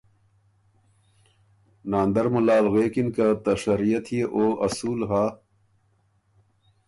ناندر مُلال غوېکِن که ”ته شریعت يې او اصول هۀ